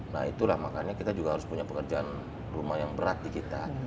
nah itulah makanya kita juga harus punya pekerjaan rumah yang berat di kita